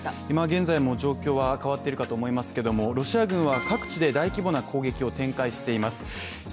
今現在も状況は変わっているかと思いますけれどもロシア軍は各地で大規模な攻撃を展開しています。